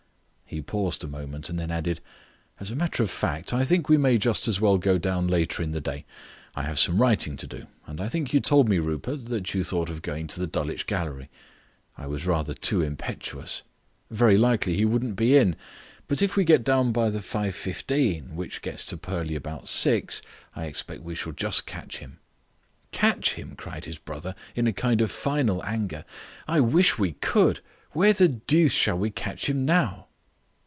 He paused a moment and then added: "As a matter of fact, I think we may just as well go down later in the day. I have some writing to do, and I think you told me, Rupert, that you thought of going to the Dulwich Gallery. I was rather too impetuous. Very likely he wouldn't be in. But if we get down by the 5.15, which gets to Purley about 6, I expect we shall just catch him." "Catch him!" cried his brother, in a kind of final anger. "I wish we could. Where the deuce shall we catch him now?"